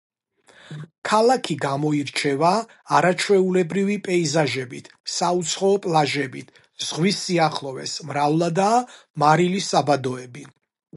ქალაქი გამოირჩევა არაჩვეულებრივი პეიზაჟებით, საუცხოო პლაჟებით, ზღვის სიახლოვეს, მრავლადაა მარილის საბადოები.